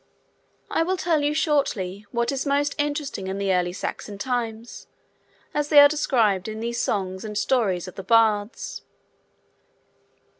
I will tell you, shortly, what is most interesting in the early Saxon times, as they are described in these songs and stories of the Bards.